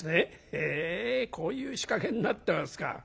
へえこういう仕掛けになってますか。